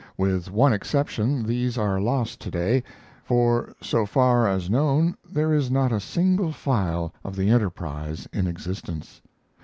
With one exception these are lost to day, for so far as known there is not a single file of the Enterprise in existence.